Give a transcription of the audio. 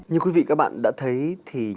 như quý vị các bạn đã thấy thì nhân vật